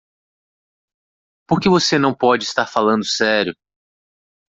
Por que você não pode estar falando sério?